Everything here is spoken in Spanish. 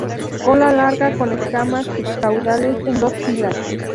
Cola larga con escamas subcaudales en dos filas.